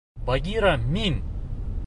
Багира мин!